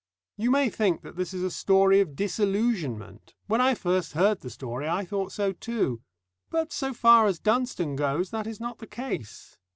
You may think that this is a story of disillusionment. When I first heard the story, I thought so too. But, so far as Dunstone goes, that is not the case.